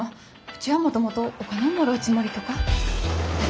うちはもともとお金をもらうつもりとか。